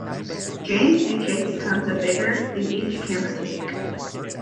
Jane's suitcase becomes bigger in each camera take.